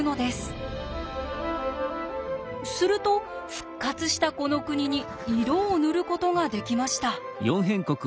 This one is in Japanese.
すると復活したこの国に色を塗ることができました。